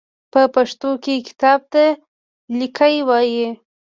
په پښتو کې کتاب ته ليکی وايي.